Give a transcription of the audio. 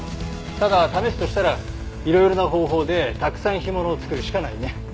ただ試すとしたらいろいろな方法でたくさん干物を作るしかないね。